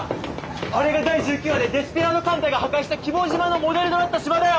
あれが第１９話でデスペラード艦隊が破壊した希望島のモデルとなった島だよ！